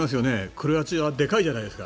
クロアチアはでかいじゃないですか。